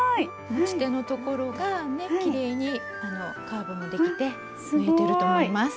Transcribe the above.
持ち手のところがきれいにカーブもできて縫えてると思います。